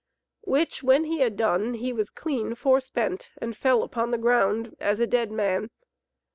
Which when he had done he was clean for spent and fell upon the ground as a dead man.